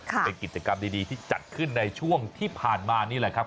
เป็นกิจกรรมดีที่จัดขึ้นในช่วงที่ผ่านมานี่แหละครับ